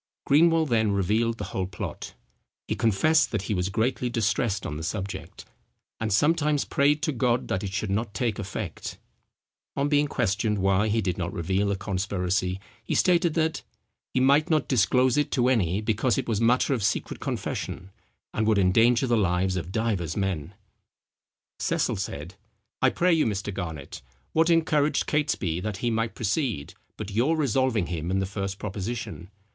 Greenwell then revealed the whole plot. He confessed that he was greatly distressed on the subject, "and sometimes prayed to God that it should not take effect." On being questioned why he did not reveal the conspiracy he stated that, "he might not disclose it to any, because it was matter of secret confession, and would endanger the lives of divers men." Cecil said, "I pray you, Mr. Garnet, what encouraged Catesby that he might proceed, but your resolving him in the first proposition?